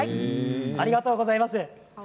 ありがとうございます。